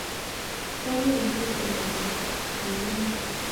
Kanyoru muguleldonyu eng inye